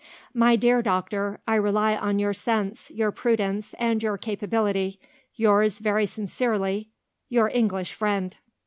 "My dear doctor, I rely on your sense, your prudence, and your capability. Yours very sincerely, "Your ENGLISH FRIEND."